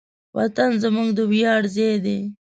وطن زموږ د ویاړ ځای دی.